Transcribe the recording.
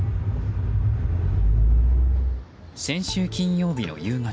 先週金曜日の夕方。